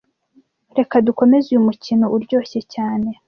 reka dukomeze uyu mukino uryoshye cyane